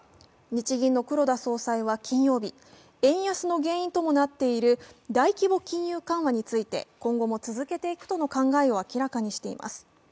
日銀の黒田総裁は金曜日、円安の原因ともなっている大規模金融緩和について今後も続けていくとの考えを明らかにしています。